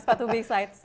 sepatu big size